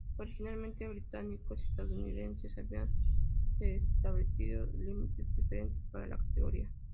Originalmente británicos y estadounidenses habían establecido límites diferentes para la categoría.